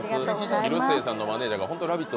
広末さんのマネージャーさんが、ホント「ラヴィット！」